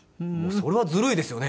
それはずるいですよね。